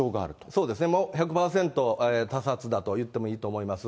そうですね、１００％他殺だといってもいいと思います。